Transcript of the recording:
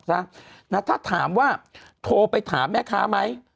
ถ้าถามว่าโทรไปถามแม่ค้าไหม